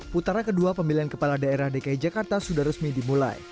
putaran kedua pemilihan kepala daerah dki jakarta sudah resmi dimulai